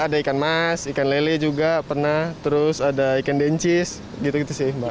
ada ikan mas ikan lele juga pernah terus ada ikan dencis gitu gitu sih mbak